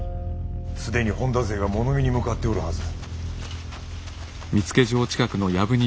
既に本多勢が物見に向かっておるはず。